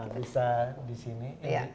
bisa di sini